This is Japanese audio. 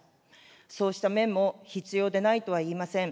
そうした面も必要でないとは言いません。